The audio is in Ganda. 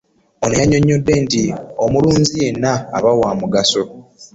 Ono yannyonnyodde nti omulunzi yenna aba wa mugaso